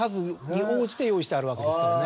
用意してあるわけですからね。